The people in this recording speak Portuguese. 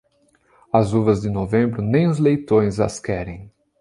As uvas de novembro, nem os leitões, as querem.